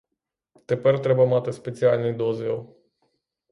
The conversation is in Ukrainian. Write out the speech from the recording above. Тепер треба мати спеціальний дозвіл.